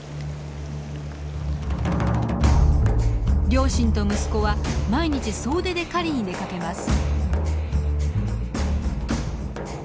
両親と息子は毎日総出で狩りに出かけます。